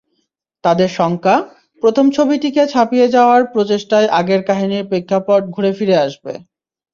তাঁদের শঙ্কা, প্রথম ছবিটিকে ছাপিয়ে যাওয়ার প্রচেষ্টায় আগের কাহিনির প্রেক্ষাপট ঘুরেফিরে আসবে।